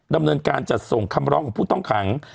ดำเนินการจัดส่งคำร้องของผู้ต้องขัง